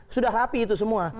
sudah rapi itu semua